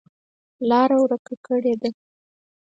لاره ورکه کړې ده.